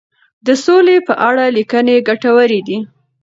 د سولي په اړه لیکنې ګټورې دي.